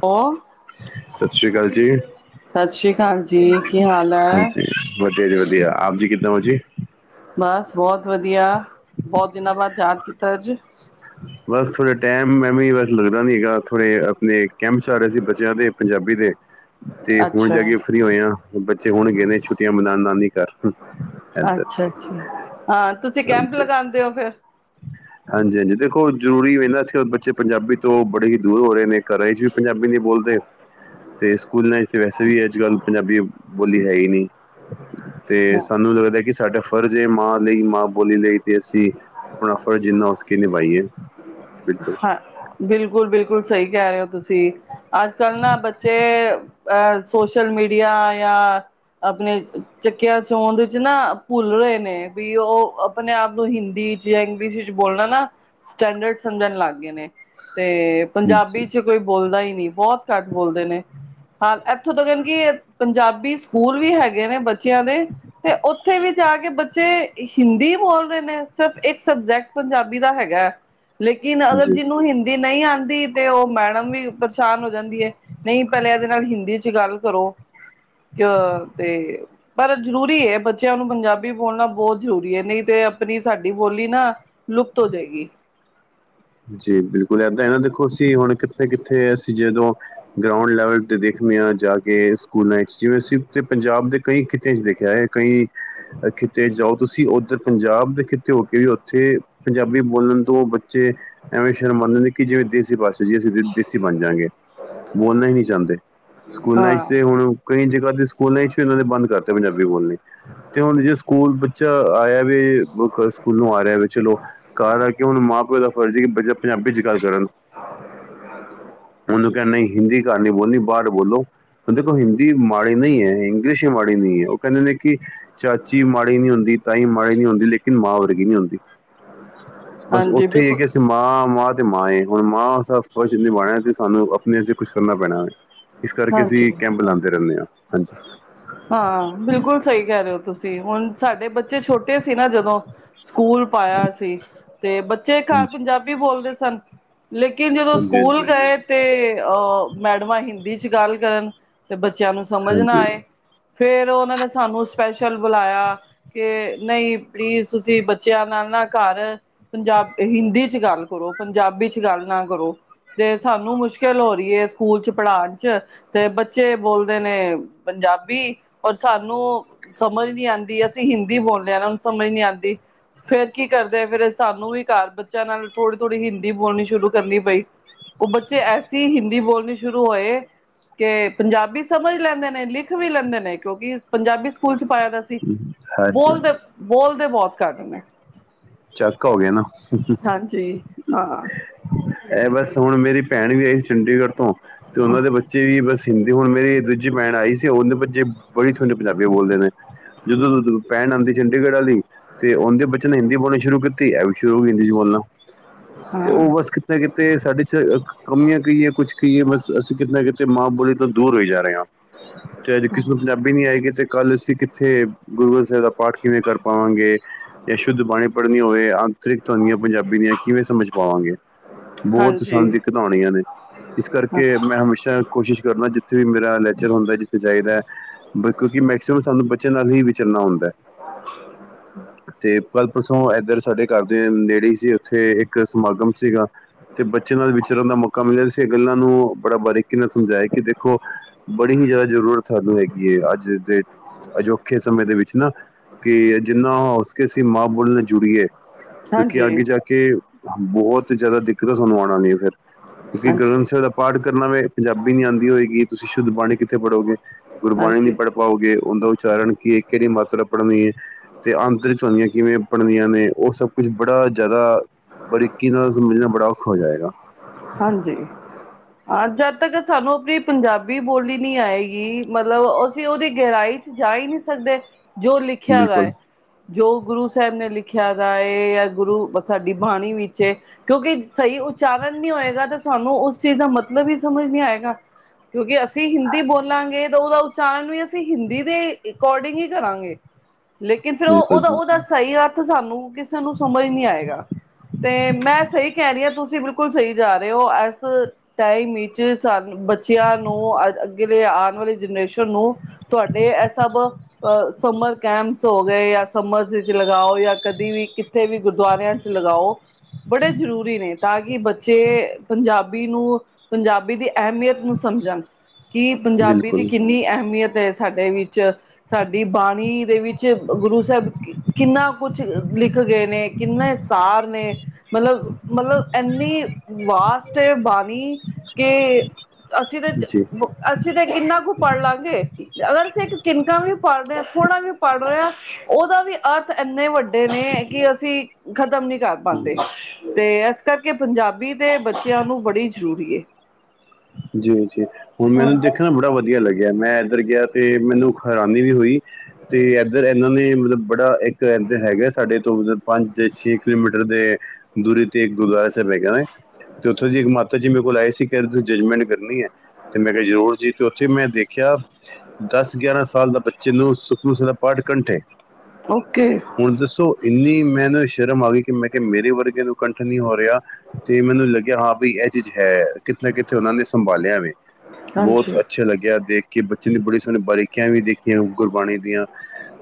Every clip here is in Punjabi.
ਪੋ ਸਤਿ ਸ਼੍ਰੀ ਅਕਾਲ ਜੀ ਸਤਿ ਸ੍ਰੀ ਅਕਾਲ ਜੀ, ਕੀ ਹਾਲ ਐ। ਹਾਂਜੀ ਵਧੀਆ, ਆਪ ਜੀ ਕਿਦਾਂ ਹੋ ਜੀ। ਬੱਸ, ਬਹੁਤ ਵਧੀਆ, ਬਹੁਤ ਦਿਨਾਂ ਬਾਅਦ ਯਾਦ ਕੀਤਾ ਅੱਜ। ਬਸ, ਥੋੜੇ ਟਾਈਮ ਮੈਂ ਵੀ, ਬਸ ਲੱਗਦਾ ਨੀ ਹੈਗਾ, ਥੋੜ੍ਹੇ ਆਪਣੇ ਕੈਂਪ 'ਚ ਆ ਰਹੇ ਸੀ ਬੱਚਿਆਂ ਦੇ ਪੰਜਾਬੀ ਦੇ ਤੇ ਹੁਣ ਅੱਛਾ ਜਾ ਕੇ ਫ੍ਰੀ ਹੋਏ ਆ, ਬੱਚੇ ਹੁਣ ਗਏ ਨੇ ਛੁੱਟੀਆਂ ਮਨਾਉਣ ਨਾਨੀ ਘਰ ਐਦਰ, ਅੱਛਾ ਅੱਛਾ ਹਾਂ ਤੁਸੀਂ ਕੈਂਪ ਹਾਂਜੀ। ਲਗਾਉਂਦੇ ਹੋ ਫਿਰ ਹਾਂਜੀ, ਹਾਂਜੀ। ਦੇਖੋ, ਜ਼ਰੂਰੀ ਵੇ ਨਾ, ਅੱਜਕਲ ਬੱਚੇ ਪੰਜਾਬੀ ਤੋਂ ਬੜੇ ਹੀ ਦੂਰ ਹੋ ਰਹੇ ਨੇ। ਘਰ ਵਿਚ ਵੀ ਪੰਜਾਬੀ ਨੀ ਬੋਲਦੇ ਤੇ ਸਕੂਲਾਂ ਵਿੱਚ ਤੇ ਵੈਸੇ ਵੀ, ਅੱਜ ਕੱਲ੍ਹ ਪੰਜਾਬੀ ਬੋਲੀ ਹੈ ਈ ਨੀ। ਤੇ ਸਾਨੂੰ ਲੱਗਦਾ ਐ ਕਿ ਸਾਡਾ ਪਰ ਜੇ ਮਾਂ ਲਈ, ਮਾਂ ਬੋਲੀ ਲਈ ਦੇਸੀ ਆਪਣਾ ਫਰਜ਼ ਜਿੰਨਾ ਹੋ ਸਕੇ ਨ ਹਾਂ ਬਿਲਕੁਲ ਬਿਲ ਕੁਲ ਸਹੀ ਕਹਿ ਰਹੇ ਔ ਤੁਸੀਂ। ਅੱਜ ਕੱਲ੍ਹ ਨਾ ਬੱਚੇ ਅ ਅ ਸੋਸ਼ਲ ਮੀਡੀਆ ਜਾਂ ਆਪਣੇ ਚੱਕਿਆ ਚੋਦ ਚ ਨਾ ਭੁੱਲ ਰਹੇ ਨੇ ਵੀ ਉਹ ਆਪਣੇ ਆਪ ਨੂੰ ਹਿੰਦੀ ਚ ਜਾਂ ਇਗਲਿਸ ਚ ਬੋਲਣਾ ਨਾ ਸਟੈਂਡਰਡ ਸਮਝਣ ਲੱਗ ਗੇ ਨੇ। ਤੇ ਜੀ, ਪੰਜਾਬੀ ਚ ਕੋਈ ਬੋਲਦਾ ਈ ਨੀ। ਬਹੁਤ ਘੱਟ ਬੋਲਦੇ ਨੇ ਹਾਂ ਇੱਥੋਂ ਤਕਨ ਕਿ ਪੰਜਾਬੀ ਸਕੂਲ ਵੀ ਹੈਗੇ ਨੇ ਬੱਚਿਆਂ ਦੇ ਤੇ ਉੱਥੇ ਵੀ ਜਾ ਕੇ ਬੱਚੇ ਹਿੰਦੀ ਬੋਲ ਰਹੇ ਨੇ ਸਿਰਫ ਇੱਕ ਸਬਜੈਕਟ ਪੰਜਾਬੀ ਦਾ ਹੈਗਾ। ਲੇਕਿਨ ਅਗਰ ਜੀ, ਜਿਹਨੂੰ ਹਿੰਦੀ ਨਹੀਂ ਆ ਦੀ ਤੇ ਉਹ ਮੈਡਮ ਵੀ ਪਰੇਸ਼ਾਨ ਹੋ ਜਾਂਦੀ ਐ ਨਈ ਪਹਿਲਾ ਇਹਦੇ ਨਾਲ ਹਿੰਦੀ ਚ ਚ ਗੱਲ ਕਰੋ, ਤੇ ਪਰ ਜ਼ਰੂਰੀ‌ ਏ ਬੱਚਿਆਂ ਨੂੰ ਪੰਜਾਬੀ ਬੋਲਣਾ ਬਹੁਤ ਜ਼ਰੂਰੀ ਏ ਨਈ ਤੇ ਆਪਣੀ ਸਾਡੀ ਬੋਲੀ ਨਾ ਲੁਪਤ ਹੋ ਜੇਗੀ। ਜੀ ਬਿਲਕੁਲ ਏਦਾਂ ਨਾ ਦੇਖੋ ਅਸੀਂ ਹੁਣ ਕਿੱਥੇ-ਕਿੱਥੇ ਅਸੀਂ ਜਦੋਂ ਗਰਾਉਂਡ ਲੈਵਲ ਤੇ ਦੇਖਦੇ ਹਾਂ ਜਾ ਕੇ ਸਕੂਲਾਂ ਚ ਜਿਵੇਂ ਅਸੀਂ ਤੇ ਪੰਜਾਬ ਦੇ ਕਈ ਖਿੱਤੇ ਚ ਦੇਖਿਆ ਹੈ ਕਈ ਖਿੱਤੇ ਜਾਓ ਤੁਸੀਂ ਉਧਰ ਪੰਜਾਬ ਦੇ ਖਿੱਤੇ ਹੋ ਕੇ ਵੀ ਉੱਥੇ ਪੰਜਾਬੀ ਬੋਲਣ ਤੋਂ ਬੱਚੇ ਐਵੇਂ ਸ਼ਰਮਾਨਦੇ ਨੇ ਕਿ ਜਿਵੇਂ ਦੇਸੀ ਭਾਸ਼ਾ ਤੇ ਜੇ ਅਸੀਂ ਦੇ ਦੇਸੀ ਬਣ ਜਾਂਗੇ ਬੋਲਣਾ ਈ ਨੀ ਚਾਦੇ, ਸਕੂਲਾਂ ਹਾਂ ਚ ਤੇ ਹੁਣ ਕਈ ਜਗ੍ਹਾ ਤੇ ਸਕੂਲਾਂ ਚ ਵੀ ਇਹਨਾਂ ਨੇ ਬੰਦ ਕਰ ਤਾ ਪੰਜਾਬੀ ਬੋਲਣੀ ਤੇ ਹੁਣ ਜੇ ਸਕੂਲ ਚ ਆਇ ਵੀ ਇਹ ਪੱਕਾ ਸਕੂਲੋਂ ਆ ਰਿਹਾ ਵੀ ਚਲੋ ਘਰ ਆ ਕੇ ਹੁਣ ਮਾਂ ਪਿਓ ਦਾ [unintelligible] ਬੱਚੇ ਪੰਜਾਬੀ ਚ ਗੱਲ ਕਰਨ, ਉਹਨੂੰ ਕਹਿ ਨਹੀ ਹਿੰਦੀ ਕਹ ਨੀ ਬੋਲਣੀ ਬਾਰ ਬੋਲੋ। ਹੁਣ ਦੇਖੋ ਹਿੰਦੀ ਮਾੜੀ ਨਈ ਅ ਇੰਗਲਿਸ਼ ਹੀ ਮਾੜੀ ਨੀ ਉਹ ਕਹਿੰਦੇ ਨੇ ਕਿ ਚਾਚੀ ਮਾੜੀ ਨੀ ਹੁੰਦੀ ਤਾਈ ਮਾੜੀ ਨੀ ਹੁੰਦੀ ਲੇਕਿੰਨ ਮਾਂ ਵਰਗੀ ਨੀ ਹੁੰਦੀ। ਹਾਂਜੀ। ਬਿਲਕੁਲ ਠੀਕ ਏ ਅਸੀ ਮਾਂ ਮਾਂ ਤੇ ਮਾਂ ਏ ਹੁਣ ਮਾਂ ਸ‌ ਫਰਜ਼ ਨਿਬਾਣਾ ਤੇ ਸਾਨੂੰ ਆਪਣੇ ਸੇ ਕੁਛ ਕਰਨਾ ਪੈਣਾ ਐ। ਹਾਂਜੀ, ਹਾਂਜੀ ਹਾਂ ਬਿਲਕੁਲ ਸਹੀ ਕਹਿ ਰੇ ਔ ਤੁਸੀਂ ਹੁਣ ਸਾਡੇ ਬੱਚੇ ਚੇ ਛੋਟੇ ਸੀ ਨਾ ਜਦੋਂ ਸਕੂਲ ਪਾਇਆ ਸੀ। ਤੇ ਬੱਚੇ ਘਰ ਹਾਂਜੀ ਪੰਜਾਬੀ ਬੋਲਦੇ ਸ ਸਨ ਲੇਕਿਨ ਜਦੋਂ ਹਾਂਜੀ ਸਕੂਲ ਹਾਂਜੀ ਗਏ ਤੇ ਆ ਮੈਡਮਾਂ ਹਿੰਦੀ ਗੱਲ ਕਰਨ ਤੇ ਬੱਚੇ ਬੱਚਿਆਂ ਨੂੰ ਸਮਝ ਨਾ ਹਾਂਜੀ ਆਏ ਫੇਰ ਉਹਨਾਂ ਨੇ ਸਾਨੂੰ ਸਪੈਸ਼ਲ ਬੁਲਾਇਆ ਕਿ ਨਹੀਂ ਪਲੀਜ਼ ਤੁਸੀਂ ਬੱਚਿਆਂ ਨਾਲ ਨਾ ਘਰ ਪੰਜਾਬੀ ਹਿੰਦੀ ਚ ਗੱਲ ਕਰੋ ਪੰਜਾਬੀ ਚ ਗੱਲ ਨਾ ਕਰੋ ਤੇ ਸਾਨੂੰ ਮੁਸ਼ਕਿਲ ਹੋ ਰਹੀ ਹੈ ਸਕੂਲ ਚ ਪੜ੍ਹਾਉਣ ਚ ਤੇ ਬੱਚੇ ਬੋਲਦੇ ਨੇ ਪੰਜਾਬੀ ਔਰ ਸਾਨੂੰ ਸਮਝ ਨ ਆਉਂਦੀ ਅਸੀਂ ਹਿੰਦੀ ਬੋਲਦੇ ਹਾਂ ਨਾ ਸਮਝ ਨੀ ਆਉਂਦੀ ਫੇਰ ਕੀ ਕਰਦੇ ਆ ਫਿਰ ਸਾਨੂੰ ਵੀ ਘਰ ਬੱਚਿਆਂ ਨਾਲ ਥੋੜ੍ਹੀ ਥੋੜ੍ਹੀ ਹਿੰਦੀ ਬੋਲਣੀ ਸ਼ੁਰੂ ਕਰਨੀ ਪਈ ਉਹ ਬੱਚੇ ਐਸੀ ਹਿੰਦੀ ਬੋਲਣੀ ਸ਼ੁਰੂ ਹੋਏ ਕਿ ਪੰਜਾਬੀ ਸਮਝ ਲੈਂਦੇ ਨੇ ਲਿਖ ਵੀ ਲੈਂਦੇ ਨੇ ਕਿਉਂਕਿ ਪੰਜਾਬੀ ਸਕੂਲ ਚ ਫਾਇਦਾ ਸੀ ਹਾਂਜੀ ਬੋਲਦੇ ਬੋਲ ਦੇ ਬਹੁਤ ਘੱਟ ਨੇ ਚੱਕ ਹੋ ਗਿਆ ਨਾ ਹਾਂਜੀ ਹਾਂ ਇਹ ਬਸ ਹੁਣ ਮੇਰੀ ਭੈਣ ਵੀ ਆ ਚੰਡੀਗੜ੍ਹ ਤੋਂ ਤੇ ਉਹ ਦੇ ਬੱਚੇ ਵੀ ਬਸ ਹਿ ਤੇ ਹੁਣ ਮੇਰੀ ਦੂਜੀ ਭੈਣ ਆਈ ਸੀ । ਉਹਦੇ ਬੱਚੇ ਬੜੀ ਸੋਣੀ ਪੰਜਾਬੀ ਬੋਲਦੇ ਨੇ ਜਦੋਂ ਜਦੋਂ ਭੈਣ ਆਂਦੀ ਚੰਡੀਗੜ੍ਹ ਵਾਲੀ ਤੇ ਉਹਦੇ ਬੱਚੇ ਨੇ ਹਿੰਦੀ ਬੋਲਣੀ ਸ਼ੁਰੂ ਕੀਤੀ, ਐ ਵੀ ਸ਼ੁਰੂ ਹੋ ਗਈ ਹਿੰਦੀ ਚ ਬੋਲਣਾ ਤੇ ਹਾਂ ਉਹ ਬਸ ਕਿਤੇ ਨਾ ਕਿਤੇ ਸਾਡੇ ਚ ਕਮੀਆਂ ਕਹੀਏ ਕੁਛ ਕਹੀਏ ਬਸ ਅਸੀਂ ਕਿਤੇ ਨਾ ਕਿਤੇ ਤੇ ਮਾਂ ਬੋਲੀ ਤੋਂ ਦੂਰ ਹੋਈ ਜਾ ਰਹੇ ਹਾ ਤੇ ਅਜ ਕਿਸੇ ਨੂੰ ਪੰਜਾਬੀ ਨੀ ਆਏਗੀ ਤੇ ਕੱਲ ਸੀ ਕਿੱਥੇ ਗੁਰੂ ਇਦਾ ਪਾਠ ਕਿਵੇਂ ਕਰ ਪਾਵਾਂਗੇ। ਤੇ ਸ਼ੁੱਧ ਬਾਣੀ ਪੜਨੀ ਹੋਵੇ ਆ ਦੀ ਤੇ ਪੰਜਾਬੀ ਦੀਆਂ ਕਿਵੇਂ ਸਮਝ ਪਾਵਾਂਗੇ। ਬਹੁਤ ਹਾਂਜੀ ਸਮਝ ਘਢਾਉਣੀਆਂ ਨੇ ਇਸ ਕਰਕੇ ਹਾਂਜੀ ਮੈਂ ਹਮੇਸ਼ਾ ਕੋਸ਼ਿਸ਼ ਕਰਨਾ ਜ ਜਿੱਥੇ ਵੀ ਮੇਰਾ ਲੈਕਚਰ ਹੁੰਦਾ। ਜਿੱਥੇ ਜਾਹੀਦਾ ਬਟ ਕਿਂੳਕੀ ਮੈਕਸੀਮਮ ਸਾਨੂੰ ਬ ਵਿਚ ਹੀ ਵਿਚਰਨਾ ਹੁੰਦਾ ਹੈ। [inaudible] ਕੱਲ੍ਹ ਪਰਸੋਂ ਇਏਰ ਸਾਡੇ ਘਰ ਦੇ ਨੇੜੇ ਸੀ ਉੱਥੇ ਇੱਕ ਸਮਾਗਮ ਸੀਗਾ ਤੇ ਬੱਚੇ ਨਾਲ ਵਿਚਰਨ ਦਾ ਮੌਕਾ ਮਿਲਿਆ ਸੀ ਇਹ ਗੱਲਾਂ ਨੂੰ ਬੜਾ ਬਾਰੀਕੀ ਨਾਲ ਸਮਝਾਇਆ ਕਿ ਦੇਖੋ ਬੜੀ ਹੀ ਜ਼ਿਆਦਾ ਜ਼ਰੂਰਤ ਸਾਨੂੰ ਹੈਗੀ ਹੈ, ਅੱਜ ਦੇ ਔਖੇ ਸਮੇਂ ਦੇ ਵਿੱਚ ਨਾ ਕਿ ਜਿੰਨਾ ਉਸਕੇ ਸੀ ਮਾਂ ਬੋਲਨਾ ਜ਼ਰੂਰੀ ਐ। ਕਿਉਂਕਿ ਹਾਂਜੀ ਅਗੇ ਜਾ ਕੇ ਬਹੁਤ ਜਿਆਦਾ ਦਿੱਕਤ ਸਾਨੂੰ ਆਉਣ ਆਉਦੀ ਹੈ ਫੇਰ ਕਿਉਂਕਿ ਗੁਰੂ ਗ੍ਰੰਥ ਹਾਂਜੀ ਸਾਹਿਬ ਦਾ ਪਾਠ ਕਰਨਾ ਵੇ ਪੰਜਾਬੀ ੀ ਆਉਂਦੀ ਹੋਏਗੀ ਤੁਸੀਂ ਸ਼ੁੱਧ ਬਾਣੀ ਕਿੱਥੋਂ ਪਣੋਗੇ ਗੁਰਬਾਣੀ ਨੀ ਹਾਂਜੀ ਪੜ੍ਹ ਪਾਓਗੇ ਉਹਦਾ ੳਚਾਰਨ ਕੀ ਇਹ ਕਿਹੜੀ ਮਾਤਰਾ ਪੜਨੀ ਹੈ ਤੇ ਆਤਿੰਤ ਵਾਲਿਆ ਕਿਵੇਂ ਪੱਲਵੀਆਂ, ਨੇ ਉਹ ਸਭ ਕੁਛ ਬੜਾ ਜ਼ਿਆਦਾ ਬਾਰੀਕੀ ਨਾਲ, ਸਮਝਣਾ ਬੜਾ ਔਖਾ ਹੋ ਜਾਏਗਾ। ਹਾਂਜੀ, ਜਦ ਤੱਕ ਸਾਨੂੰ ਆਪਣੀ ਪੰਜਾਬੀ ਬੋਲੀ ਨੀ ਆਏਗੀ, ਮਤਲਬ ਅਸੀਂ ਉਹਦੀ ਗਹਿਰਾਈ ਚ, ਜਾ ਹੀ ਨਹੀਂ ਸਕਦੇ। ਜੋ ਲਿਖਿਆ ਬਿਲਕੁਲ ਵੈ ਜੋ ਗੁਰੂ ਸਾਹਿਬ ਨੇ ਲਿਖਿਆ ਵੈ ਜਾਂ ਗੁਰੂ ਸਾਡੀ ਬਾਣੀ ਵਿੱਚ ਕਿਉਂਕਿ ਸਹੀ ਉਚਾਰਨ ਨਈ ਹੋਏਗਾ, ਤੇ ਸਾਨੂੰ ਉਸ ਚੀਜ਼ ਦਾ ਮੱਤਲਬ ਈ ਸਮਝ ਆਏ ਗਾ ਕਿਉਂਕਿ ਅਸੀਂ ਅਸੀਂ ਹਿੰਦੀ ਬੋਲਾਂਗੇ ਉਹਦਾ ਉਚਾਰਨ ਵੀ ਅਸੀਂ ਹਿੰਦੀ, ਦੇ ਅਕੋਰਡਿੰਗ ਹੀ ਕਰਾਂਗੇ। ਲੇਕਿਨ, ਫਿਰ ਉਹ ਬਿਲਕੁਲ ਬਿਲਕੁਲ ਉਹਦਾ--ਉਹਦਾ ਸਹੀ ਅਰਥ ਸਾਨੂੰ ਕਿਸੇ ਨੂੰ ਸਮਝ ਨਹੀਂ ਆਏਗਾ, ਤੇ ਮੈਂ ਸਹੀ ਕਹਿ ਰਹੀ ਹਾਂ ਤੁਸੀਂ ਬ ਸਹੀ ਜਾ ਰਹੇ ਹੋ, ਇਸ ਟਾਈਮ ਵਿੱਚ ਸਾਨੂੰ ਬੱਚਿਆਂਨੂੰ ਅੱਗੇ ਆਉਣ ਵਾਲੀ ਜਨਰੇਸ਼ਨ ਨੂੰ ਤੁਹਾਡੇ ਇਹ ਸਭ ਸਮਰ ਕੈਂਪਸ ਹੋ ਗਏ ਜਾਂ ਸ ਗਾਓ, ਜਾਂ ਕਦੀ ਵੀ ਕਿੱਥੇ ਵੀ ਗੁਰਦੁਆਰਿਆਂ ਚ, ਲਗਾਓ ਬੜੇ ਜ਼ਰੂਰੀ ਨੇ ਤਾਂ ਕਿ ਬੱਚੇ ਪੰਜਾਬੀ ਨੂੰ, ਪੰਜਾਬੀ ਦੀ, ਅਹਿਮੀਅਤ ਨੂੰ ਸਮਝਣ। ਕਿ ਪੰਜਾਬੀ, ਦੀ ਬਿਲਕੁਲ ਕਿੰਨੀ ਅਹਿਮੀਅਤ ਸਾਡੇ ਵਿੱਚ, ਸਾਡੀ ਬਾਣੀ ਦੇ ਵਿੱਚ, ਗੁਰੂ ਸਾਹਿਬ ਕਿੰਨਾ ਕੁਛ ਲਿਖ ਗਏ ਨੇ, ਕਿੰਨੇ ਸਾਰ ਨੇ ਮਤਲਬ ਮਤਲਬ। ਏਨੀ ਵਾਸਟ ਏ ਬਾਣੀ ਕਿ ਅਸਲ ਚ, ਜੀ ਅਸੀਂ ਤੇ ਕਿੰਨਾ ਕੁ ਪੜ੍ਹ ਲਵਾਂਗੇ। ਅਗਰ ਅਸੀਂ ਇੱਕ ਕਿਨਕਾਂ ਵੀ ਪੜ੍ਹ ਰਹੇ ਹਾਂ, ਥੋੜਾ ਵੀ ਪੜ੍ਹ ਰਹੇ ਹਾਂ, ਉਹਦਾ ਵੀ ਅਰਥ ਇੰਨੇ ਵੱਡੇ ਨੇ, ਕਿ ਅਸੀਂ ਖਤਮ ਨੀ ਘਰ ਪਾਦੇ ਦੇ ਆ ਸ ਕਰਕੇ ਪੰਜਾਬੀ। ਤੇ ਬੱਚਿਆਂ ਨੂੰ ਬੜੀ ਜ਼ਰੂਰੀ ਹੈ। ਜੀਓ--ਜੀਓ ਹੁਣ ਮੈਨੂੰ ਦੇਖਣਾ ਨਾ ਬੜਾ ਵਧੀਆ ਲੱਗਿਆ। ਗਿਆ, ਮੈਂ ਇੱਧਰ ਗਿਆ ਤੇ ਮੈਨੂੰ ਹੈਰਾਨੀ ਵੀ ਹੋਈ, ਤੇ ਏਧਰ ਇਹਨਾਂ ਨੇ ਮੈਨੂੰ ਬੜਾ ਏ ਕਹਿਣ, ਤੇ ਅ ਹੈਗੇ ਹੈ ਸਾਡੇ ਤੋਂ ਉੱਧਰ। ਪੰਜ, ਤੇ ਛੇ ਕਿਲੋਮੀਟਰ, ਦੇ ਦੂਰੀ ਤੇ ਇੱਕ ਗੁਰਦੁਆਰਾ ਸਾਹਿਬ, ਹੈਗਾ ਤੇ ਉੱਥੋਂ ਦੀ ਮਾਤਾ ਜੀ ਮੇਰੇ ਕੋਲ ਆਏ ਸੀ, ਕਹਿ ਰ ਜੱਜਮੈਂਟ, ਕਰਨੀ ਹੈ ਤੇ ਮੈਂ ਕਿਹਾ ਜ਼ਰੂਰ ਜੀ, ਤੇ ਉੱਥੇ ਮੈਂ ਦੇਖਿਆ ਦਸ ਗਿਆਰਾਂ ਸਾਲ ਦਾ ਬੱਚੇ ਨੂੰ, ਸੁਖਮਨੀ ਸਾਹਿਬ, ਦਾ ਪਾਠ ਕੰਠ ਏ। ਓਕੇ ਹੁਣ ਦੱਸੋ ਇੰਨੀ ਮੈਨੂੰ, ਇਹ ਸ਼ਰਮ ਆ ਗਈ ਕਿ, ਮੈਂ ਕਿਹਾ ਮੇਰੇ ਵਰਗੇ ਨੂੰ ਕੰਠ ਨੀ ਹੋ ਰਿਹਾ, ਤੇ ਮੈਨੂੰ ਲੱਗਿਆ ਹਾਂ ਬਈ ਇਹ ਚੀਜ ਹੈ ਕਿਤੇ ਨਾ ਕਿਤੇ ਉਹਨਾਂ, ਨੇ ਸੰਭਾਲਿਆ ਵੀ। ਬਹੁਤ ਹਾਂਜੀ ਅੱਛਾ ਲੱਗਿਆ ਦੇਖ ਕੇ ਬੱਚ ਜਿਹਨੇ ਬੜੀ ਸਾਰੀ ਬਾਰੀਕੀਆਂ, ਵੀ ਦੇਖੀਆਂ ਓ ਗੁਰਬਾਣੀ, ਦੀਆਂ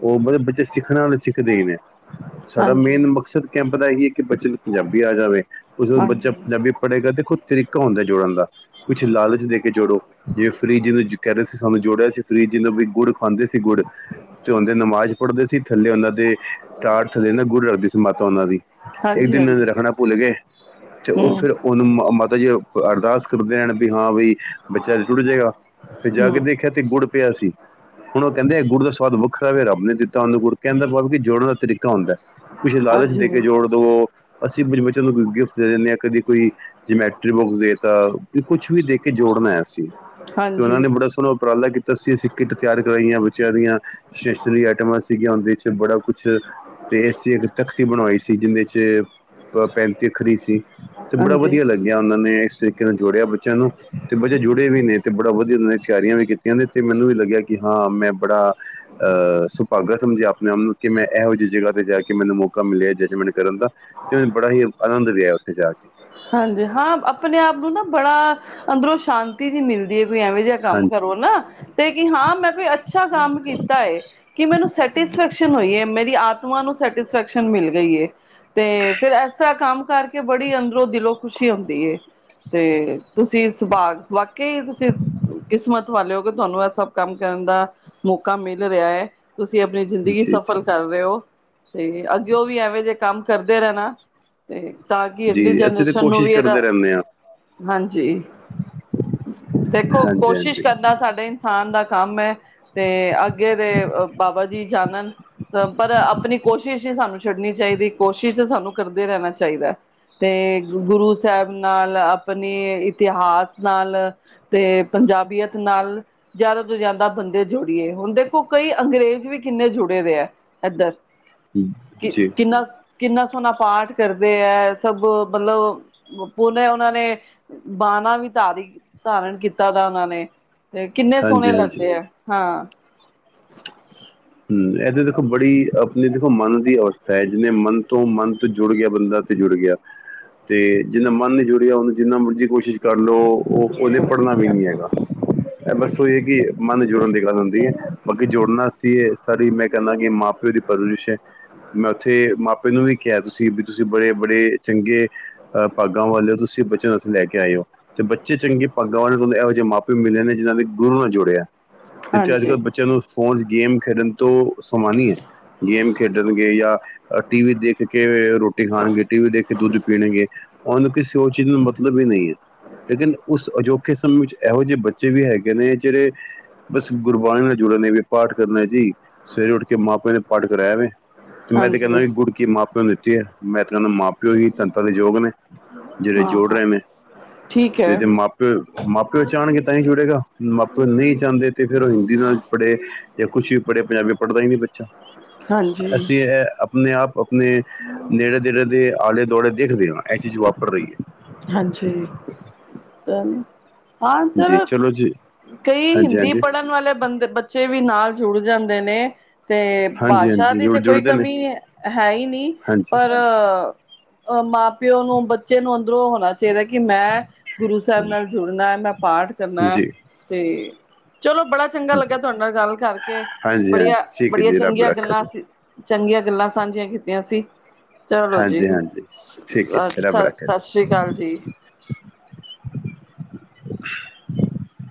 ਉਹ ਬੱਚੇ ਸਿੱਖਣਾ ਵੀ ਸਿੱਖਦੇ ਹੀ ਨੇ। ਸਾਡਾ ਹਾਂਜੀ ਮੇਨ ਮਕਸਦ ਕਿ ਪਤਾ ਹੀ, ਕਿ ਬੱਚੇ ਨੂੰ ਪੰਜਾਬੀ ਆ ਜਾਵੇ। ਉਦੋ ਬੱਚਾ ਹਾਂਜੀ ਪੰਜਾਬੀ, ਪੜ੍ਹੇਗਾ ਤੇ ਖੁਦ ਤਰੀਕਾ, ਹੁੰਦਾ ਜੋੜਨ ਦਾ। ਕੁਛ ਲਾਲਚ ਦੇ ਕੇ ਜੋੜੋ ਜਿਵੇਂ ਫਰੀ ਜ ਨੂੰ ਕਹਿ ਰਹੇ ਸੀ ਸਾਨੂੰ ਜੋੜਿਆ ਸੀ ਫਰੀ ਜਿਨੂੰ ਵੀ ਗੁੜ ਖਾਂਦੇ ਸੀ ਗੁੜ ਤੇ ਉਹਦੇ ਨਮਾਜ਼ ਪੜ੍ਹਦੇ ਸੀ ਥੱਲੇ ਉਹਨਾਂ ਦੇ ਟਾਤ ਥੱਲੇ ਨਾ ਗੁੜ ਰੱਖਦੀ ਸੀ ਮਾਤਾ ਉਹਨਾਂ ਦੀ। ਇੱਕ ਹਾਂਜੀ ਦਿਨ ਹਾਂਜੀ ਰੱਖਣਾ ਭੁੱਲ ਗਏ ਤੇ ਉਹ ਹਮ ਫਿਰ ਉਹਨੂੰ ਮਾਤਾ ਜੀ ਅਰਦਾਸ ਦੇਣ ਵੀ ਹਾਂ ਬਈ ਜਗ ਰੁੜ ਜਾਏਗਾ ਫਿਰ ਜਾ ਕੇ ਹਮ ਦੇਖਿਆ ਤੇ ਗੁੜ ਪਿਆ ਸੀ ਹੁਣ ਉਹ ਕਹਿੰਦੇ ਗੁੜ ਦਾ ਸਵਾਦ ਵ ਵੱਖਰਾ ਵੀ ਰਬ ਨੀ ਦਿੱਤਾ ਉਹਨੂੰ ਗਡ ਕਹਿੰਦਾ ਬ ਕਿ ਜੋੜਨ ਦਾ ਤਰੀਕਾ ਹੁੰਦਾ ਹੈ। ਕੁਛ ਲਾਲਚ ਦੇ ਹਾਂਜੀ ਕੇ ਜੋੜ ਦਵੋ ਅਸੀਂ ਕੁ ਬੱਚਿਆਂ ਨੂੰ ਗਿਫਟ ਦੇ ਦਿੰਦੇ ਹਾਂ। ਕਦੀ ਕੋਈ ਜਮੈਟਰੀ ਬੁੱਕਸ ਦੇ ਤਾਂ ਕੁਛ ਵੀ ਦੇ ਕੇ ਜੋੜਨ ਅਸੀ, ਤੇ ਉਹਨਾਂ ਹਾਂਜੀ ਨੇ ਬੜਾ ਸੋਹਣਾ ਉਪਰਾਲਾ ਕੀਤਾ ਸੀ ਅਸੀਂ ਕਿੱਟ ਤਿਆਰ ਕਰਾਈਆਂ ਬੱਚਿਆਂ ਦੀਆਂ ਸਟੇਸ਼ਨਰੀ ਆਈਟਮਾਂ ਸੀਗੀਆਂ ਉਹਦੇ ਚ। ਅਤੇ ਬੜਾ ਕੁਛ ਤੇ ਇਸ ਇੱਕ ਤਖ਼ਤੀ ਬਣਵਾਈ ਸੀ ਜਿਹਦੇ ਚ ਪੈਂਤੀ ਅੱਖਰੀ ਸੀ ਤੇ ਬੜਾ ਹਾਂਜੀ ਵਧੀਆ ਲੱਗਿਆ ਉਹਨਾਂ ਨੇ ਇਸ ਤਰੀਕੇ ਨਾਲ ਜੋੜਿਆ ਬੱਚਿਆਂ ਨੂੰ ਤੇ ਬੱਚੇ ਜੁੜੇ ਵੀ ਨੇ ਤੇ ਬੜਾ ਵਧੀਆ ਤਿਆਰੀਆਂ ਵੀ ਕੀਤੀਆਂ ਨੇ ਤੇ ਮੈਨੂੰ ਵੀ ਲੱਗਿਆ ਕਿ ਹਾਂ ਮੈਂ ਬੜਾ ਅਹ ਸੁਭਾਗਾ ਸਮਝਿਆ ਆਪਣੇ ਆਪ ਨੂੰ, ਕਿ ਮੈਂ ਇਹੋ ਜਿਹੀ ਜਗ੍ਹਾ ਤੇ ਜਾ ਕੇ ਮੈਨੂੰ ਮੌਕਾ ਮਿਲਿਆ ਜੱਜਮੈਂਟ ਕਰਨ ਦਾ ਤੇ ਮਨ ਬੜਾ ਹੀ ਆਨੰਦ ਲਿਆ ਉੱਥੇ ਜਾ ਕੇ। ਹਾਂਜੀ ਹਾਂ, ਆਪਣੇ ਆਪ ਨੂੰ ਨਾ ਬੜਾ ਅੰਦਰੋਂ ਸ਼ਾਂਤੀ ਜਿਹੀ ਮਿਲਦੀ ਹੈ। ਐਵੇਂ ਜਿਹਾ ਕੰਮ ਹਾਂਜੀ ਕਰੋ ਨਾ ਤੇ ਕਿ ਹਾਂ ਮੈਂ ਕੋਈ ਅੱਛਾ ਕੰਮ ਕੀਤਾ ਹੈ, ਕਿ ਮੈਨੂੰ ਸੈਟਿਸਫੈਕਸ਼ਨ ਹੋਈ ਹੈ ਮੇਰੀ ਆਪ ਨੂੰ ਸੈਟਿਸਫੈਕਸ਼ਨ ਮਿਲ ਗਈ ਹੈ। ਤੇ ਫੇਰ ਇਸ ਤਰ੍ਹਾਂ ਕੰਮ ਕਰਕੇ ਬੜੀ ਅੰਦਰ ਖੁਸ਼ੀ ਹੁੰਦੀ ਹੈ ਤੇ ਤੁਸੀਂ ਸੁਭਾਗ ਵਾਕਈ ਤੁਸੀਂ ਕਿਸਮਤ ਵਾਲੇ ਹੋ, ਕਿ ਤੁਹਾਨੂੰ ਇਹ ਸਭ ਕੰਮ ਕਰਨ ਦਾ ਮੌਕਾ ਮਿਲ ਰਿਹਾ ਹੈ। ਤੁਸੀਂ ਆਪਣੀ ਜ਼ਿੰਦਗੀ ਜੀ ਸਫ਼ਰ ਜੀ ਕਰ ਰਹੇ ਹੋ। ਤੇ ਅੱਗੇ ਉਹ ਵੀ ਐਵੇਂ ਜੇਹੇ ਕੰਮ ਕਰਦੇ ਰਹਿਣਾ। ਤੇ ਤਹਕੀ। ਅਗਲੀ ਜੀ ਅਸੀਂ ਤਾਂ ਜਨਰੇਸ਼ਨ ਨੂੰ ਕੋਸ਼ਿਸ਼ ਵੀ ਇਹਦਾ ਕਰਦੇ ਰਹਿੰਦੇ ਹਾਂ ਹਾਂਜੀ ਦੇਖੋ ਹਾਂਜੀ ਕੋਸ਼ਿਸ਼ ਹਾਂਜੀ ਕਰਨਾ ਸਾਡੇ ਇਨਸਾਨ ਦਾ। ਕੰਮ ਹੈ। ਤੇ ਅੱਗੇ ਦੇ ਬਾਬਾ ਜੀ। ਜੀ ਜਾਣ। ਅ ਪਰ ਆਪਣੀ ਕੋਸ਼ਿਸ਼ ਸ [inaudible] ਛੱਡਣੀ ਚਾਹੀਦੀ ਕੋਸ਼ਿਸ਼ ਸਾਨੂੰ ਕਰਦੇ ਰਹਿਣਾ ਚਾਹੀਦਾ। ਤੇ ਗੁਰੂ ਸਾਹਿਬ ਨਾਲ ਆਪਣੀ ਇਤਿਹਾਸ ਨਾਲ ਤੇ ਪੰਜਾਬੀਅਤ ਦੇ ਨਾਲ ਜ਼ਿਆਦਾ ਤੋਂ ਜ਼ਿਆਦਾ ਬੰਦੇ ਜੁੜੀਏ ਹੁਣ ਦੇਖੋ ਕਈ ਅੰਗਰੇਜ਼ ਵੀ ਕਿੰਨੇ ਜੁੜੇ ਰ ਹੈ ਏਧਰ। ਕਿ ਜੀ ਕਿੰਨਾ-ਕਿੰਨਾ। ਣਾ ਪਾਠ ਕਰਦੇ ਹੈ। ਸਭ ਮਤਲਬ ਪੁੂਨੇ ਉਹਨਾਂ ਨੇ ਬਾਹਣਾ ਵੀ ਧਾਰੀ ਧਾਰਨ ਕੀਤਾ ਤਾ ਉਹਨਾਂ ਨੇ। ਤੇ ਕਿੰਨੇ ਸੋਹਣੇ ਹਾਂਜੀ ਹਾਂਜੀ ਲੱਗਦੇ ਆ ਹਾਂ। ਹ ਇਹਦੇ ਦੇਖੋ ਬੜੀ ਆਪਣੀ ਦੇਖੋ ਮਨ ਦੀ ਅਵਸਥਾ ਹੈ ਜਿੰਨੇ ਮਨ ਤੋਂ ਮਨ ਤੋਂ ਜੁੜ ਗਿਆ ਬੰਦਾ ਤੇ ਜੁੜ ਗਿਆ ਤੇ ਜਿੰਨਾ ਮਨ ਜੁੜ ਗਿਆ ਉਹਨੂੰ ਜਿੰਨਾ ਮਰਜ਼ੀ ਕੋਸ਼ਿਸ਼ ਕਰ ਤਲ ਉਹ ਉਹਨੇ ਪੜ੍ਹਨਾ ਵੀ ਨੀ ਹੈਗਾ ਇਹ ਬਸ ਉਹੀ ਹੈ ਕਿ ਮਨ ਜੁੜਨ ਦੇ [inaudible] ਅੱਗੇ ਜੋੜਨਾ ਅਸੀਂ ਮੈਂ ਕਹਿੰਦਾ ਕਿ ਮਾਂ ਪਿਓ ਦੀ ਪਰਵਰਿਸ਼ ਹੈ ਮੈਂ ਉੱਥੇ ਮਾਪੇ ਨੂੰ ਵੀ ਕਿਹਾ ਤੁਸੀਂ ਵੀ ਤੁਸੀਂ ਬੜੇ ਬੜੇ ਚੰਗੇ ਭਾਗਾਂ ਵਾਲਿ ਹੋ ਤੁਸੀਂ ਬੱਚ ਨੂੰੱਸੀਂ ਲੈ ਕੇ ਆਏ ਹੋ ਤੇ ਬੱਚੇ ਚੰਗੇ ਭਾਗਾਂ ਵਾਲੇ ਤੁਹਾਨੂੰ ਇਹੋ ਜਿਹੇ ਮਾਪੇ ਮਿਲੇ ਨੇ ਜਿਹਨਾਂ ਦੇ ਗੁਰੂ ਨਾਲ ਜੁੜਿਆ ਜਿੱਥੇ ਅੱਜ ਹਾਂਜੀ ਕੱਲ੍ਹ ਬੱਚਿਆਂ ਨੂੰ ਫੋਨ ਗੇਮ ਖੇਡਣ ਤੋ ਸਮਾਨ ਹੈ ਗੇਮ ਖੇਡਣਗੇ ਜਾਂ ਟੀ ਵੀ ਦੇਖ ਕੇ ਰੋਟੀ ਖਾਣਗੇ ਟੀ ਵੀ ਦੇਖ ਕੇ ਦੁੱਧ ਪੀਣਗੇ ਉਹਨ ਨੂੰ ਕਿਸੇ ਹੋ ਚੀਜ਼ ਮਤਲਬ ਹੀ ਨਹੀਂ ਹੈ ਲੇਕਿਨ ਉਸ ਅਜੋਖੇ ਸਮੇਂ ਵਿੱਚ ਇਹੋ ਜਿਹੇ ਬੱਚੇ ਵੀ ਹੈਗੇ ਨੇ ਜਿਹੜੇ ਬਸ ਗੁਰਬਾਣੀ ਨਾਲ ਜੁੜੇ ਨੇ ਵੀ ਪਾਠ ਕਰਨਾ ਜੀ ਸਵੇਰੇ ਉੱਠ ਕੇ ਮਾਂ ਪਿਓ ਦੇ ਪਾਠ ਕਰਾਇਆ ਵਵੇ ਤੇ ਮੈਂ ਤੇ ਕਹਿੰਦਾ ਹਾਂਜੀ ਵੀ ਗੁੜੀ ਮਾਪਿਓ ਨੂੰ ਦਿੱਤਾ ਮੈਂ ਤਾਂਹੂੰ ਮਾਂ ਪਿਓ ਹੀ ਤਤਾਾਂ ਦੇ ਯੋਗ ਨੇ ਜਿਹੜੇ ਜੋੜ ਰਹੇ ਨੇ ਠੀਕ ਹੈ ਇਹਦੇ ਮਾਪੇ ਮਾ ਪਿਓ ਚਚਣਗੇ ਤਾਂ ਦੇਖ ਨਹੀਂ ਚਾਹੁੰਦੇ ਤੇ ਫਿਰ ਉਹ ਹਿੰਦੀ ਦਾ ਬੜੇ ਜਾਂ ਕੁਛ ਬੜੇ ਪੰਜਾਬੀ ਪੜ੍ਹਦਾ ਹੀ ਨਹੀਂ ਬੱਚਾ ਹਾਂਜੀ ਅਸੀ ਹੈ ਆਪਣੇ ਆਪ ਆਪਣੇ ਨੇੜੇ ਨੇੜੇ ਦੇ ਆਲੇ ਦੁਆਲੇ ਦੇਖਦੇ ਹਾਂ ਇਹ ਚੀਜ਼ ਵਾਪਰ ਰਹੀ ਹੈ ਹਾਂਜੀ ਜਮ ਹਾਂ ਹੈ ਜੀ ਚਲ ਚਲੋ ਜੀ ਕਈ ਹਾਂਜੀ ਹਿੰਦੀ ਹਾਂਜੀ ਪੜ੍ਹਨ ਵਾਲੇ ਬੰਦੇ ਬੱਚੇ ਵੀ ਨਾਲ ਜੁੜ ਜਾਂਦੇ ਨੇ ਤੇ ਹਾਂਜੀ ਭਾਸ਼ਾ ਹਾਂਜੀ ਦੀ ਜੁੜ ਤੇ ਕੋਈ ਜੁੜਦੇ ਨੇ ਕਮੀ ਹੈ ਹੀ ਨਹੀਂ ਹਾਂਜੀ ਪਰ ਆ ਮ ਪਿਓ ਨੂੰ ਬੱਚੇ ਨੂੰ ਉਹ ਹੋਣਾ ਚਾਦਾ ਕਿ ਮੈਂ ਗੁਰੂ ਸਾਹਿਬ ਨਾਲ ਹਾਂਜੀ ਜੁੜਨਾ ਹੈ ਮੈਂ ਪਾਠ ਕਰਨਾ ਹੈ ਜੀ ਤੇ ਚਲੋ ਬੜਾ ਚੰਗਾ ਜੀ ਲੱਗਾਿਆ ਤੁਹਾਡੇ ਨਾਲ ਗੱਲ ਕਰਕੇ ਹਾਂਜੀ ਹਾਂਜੀ ਬੜੀਆਂ ਠੀਕ ਹੈ ਬੜੀਆਂ ਜੀ ਰੱਬ ਚੰਗੀਆਂ ਰੱਖਾ ਗੱਲਾਂ ਜੀ ਚੰਗੀਆਂ ਗੱਲਾਂ ਸਾਂਝੀਆਂ ਕੀਤੀਆਂ ਸੀ। ਚਲੋ ਜੀ ਹਾਂਜੀ-ਹਾਂਜੀ ਠੀਕ ਹੈ ਜੀ, ਸਤਿ ਰੱਬ ਰੱਖਾ ਜੀ ਸਤਿ ਸ਼੍ਰੀ ਅਕਾਲ ਜੀ। [unintelligible]